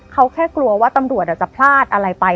เขาแค่กลัวว่าตำรวจจะพลาดอะไรไป